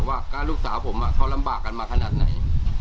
ว่าบ้านลูกสาวผมลำบากกันมาขนาดไหน